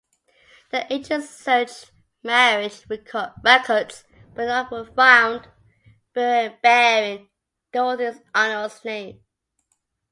The agents searched marriage records but none were found bearing Dorothy Arnold's name.